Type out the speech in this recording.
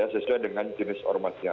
sesuai dengan jenis ormasnya